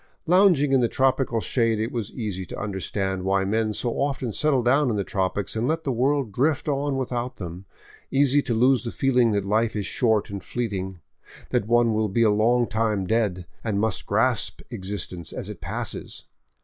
Lounging in the tropical shade it was easy to understand why men so often settle down in the tropics and let the world drift on without them, easy to lose the feeling that life is short and fleeting, that one will be a long time dead, and must grasp existence as it passes.